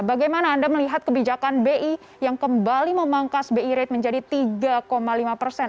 bagaimana anda melihat kebijakan bi yang kembali memangkas bi rate menjadi tiga lima persen